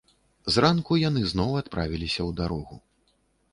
Зранку яны зноў адправіліся ў дарогу.